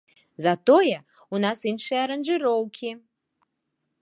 Затое, у нас іншыя аранжыроўкі!